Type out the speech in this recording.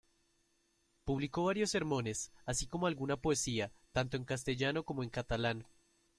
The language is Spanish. Publicó varios sermones, así como alguna poesía, tanto en castellano como en catalán.